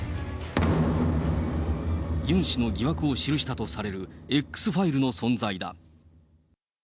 ユン氏の疑惑を記したとされるＸファイルの存在だ。